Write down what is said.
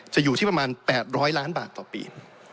อยู่ที่ประมาณ๘๐๐ล้านบาทต่อปี